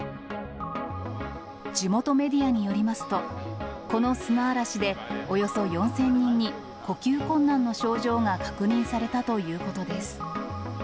地元メディアによりますと、この砂嵐でおよそ４０００人に呼吸困難の症状が確認されたということです。